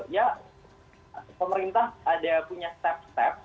ya pemerintah ada punya step step